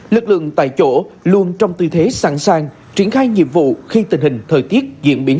lực lượng tại chỗ luôn trong tư thế sẵn sàng triển khai nhiệm vụ khi tình hình thời tiết diễn biến